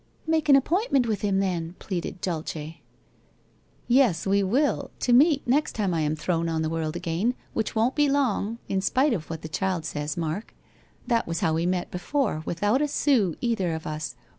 ' Make an appointment with him, then/ pleaded Dulce. ' Yes, we will — to meet — next time I am thrown on the world again, which won't be long, in spite of what the child says, Mark. That was how we met before, without a sou, either of us.